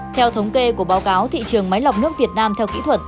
theo thống kê của báo cáo thị trường máy lọc nước việt nam theo kỹ thuật